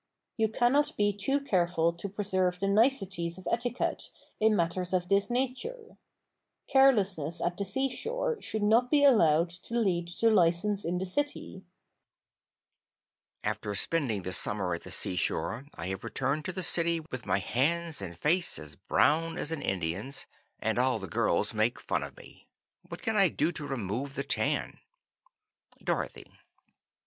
You cannot be too careful to preserve the niceties of etiquette in matters of this nature. Carelessness at the seashore should not be allowed to lead to license in the city. "After spending the summer at the seashore I have returned to the city with my hands and face as brown as an Indian's, and all the girls make fun of me. What can I do to remove the tan? "Dorothy."